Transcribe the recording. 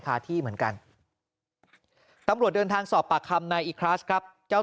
คาที่เหมือนกันตำรวจเดินทางสอบปากคำนายอีคลัสครับเจ้า